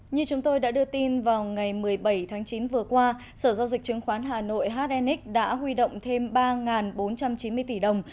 như chúng tôi đã đưa tin vào ngày một mươi bảy tháng chín vừa qua sở giao dịch chứng khoán hà nội hnx đã huy động thêm ba bốn trăm chín mươi tỷ đồng